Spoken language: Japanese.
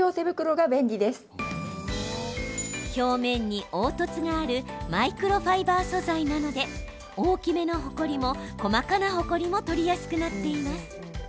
表面に凹凸があるマイクロファイバー素材なので大きめのほこりも細かなほこりも取りやすくなっています。